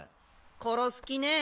殺す気ねぇ。